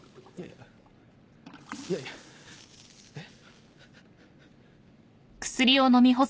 いやいやえっ。